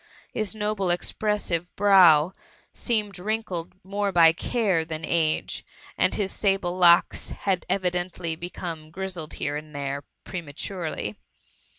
His noble expressive brow seemed wrinkled more by care than age, and his sable locks had evi dently become ^' grizzled here and there,'^ pre maturely.